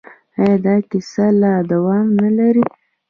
آیا دا کیسه لا دوام نلري؟